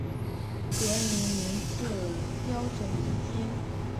格林尼治标准时间